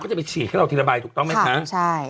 เขาจะไปฉีดแค่เราทีละใบถูกต้องไหมคะค่ะใช่